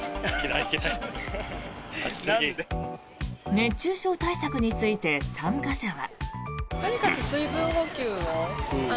熱中症対策について参加者は。